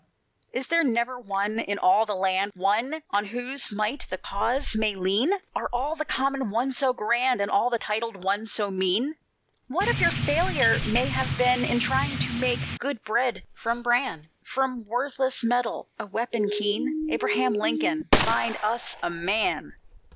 "Is there never one in all the land, One on whose might the Cause may lean? Are all the common ones so grand, And all the titled ones so mean? What if your failure may have been In trying to make good bread from bran, From worthless metal a weapon keen? Abraham Lincoln, find us a MAN!